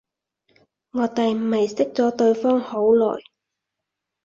我哋唔係識咗對方好耐